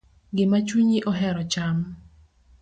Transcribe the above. Gima chunyi ohero cham.